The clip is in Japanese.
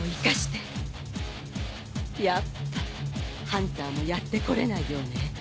やっぱハンターもやってこれないようね。